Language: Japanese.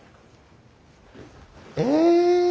え！